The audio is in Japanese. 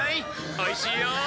おいしいよ。